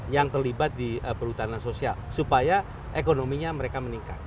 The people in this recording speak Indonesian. yang terlibat di perhutanan sosial supaya ekonominya mereka meningkat